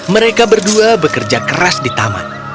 mereka berdua bekerja keras di taman